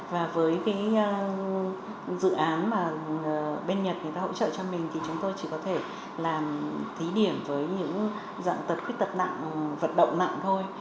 và với cái dự án mà bên nhật người ta hỗ trợ cho mình thì chúng tôi chỉ có thể làm thí điểm với những dạng tật khuyết tật nặng vận động nặng thôi